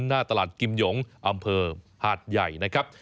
หน้าตลาดกิมโยงองค์อำเภอหาดหย่าย